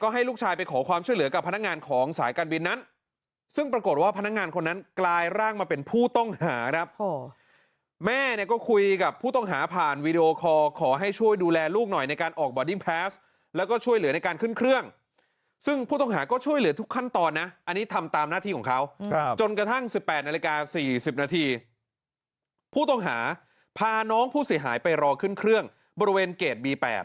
หายไปรอขึ้นเครื่องบริเวณเกรดบีแปด